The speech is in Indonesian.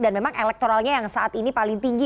dan memang elektoralnya yang saat ini paling tinggi